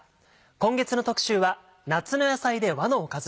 今月の特集は「夏の野菜で和のおかず」